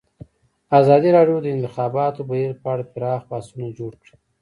ازادي راډیو د د انتخاباتو بهیر په اړه پراخ بحثونه جوړ کړي.